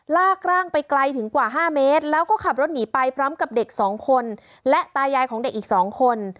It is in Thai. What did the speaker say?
ลากร่างไปไกลถึงกว่า๕เมตรแล้วก็ขับรถหนีไปพร้อมกับเด็กสองคนและตายายของเด็กอีก๒คน